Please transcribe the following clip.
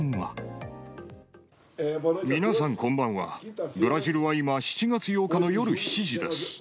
皆さんこんばんは、ブラジルは今、７月８日の夜７時です。